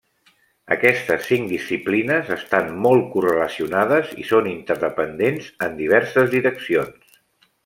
Aquestes cinc disciplines estan molt correlacionades i són interdependents en diverses direccions.